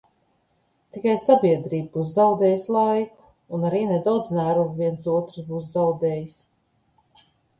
Tikai sabiedrība būs zaudējusi laiku, un arī nedaudz nervu viens otrs būs zaudējis.